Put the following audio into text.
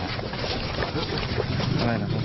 อะไรนะครับ